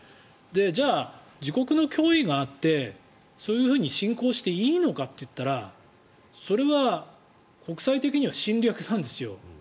じゃあ、自国の脅威があってそういうふうに侵攻していいのかっていったらそれは国際的には侵略なんですよ。